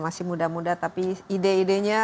masih muda muda tapi ide idenya